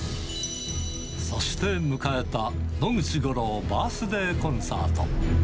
そして迎えた野口五郎バースデーコンサート。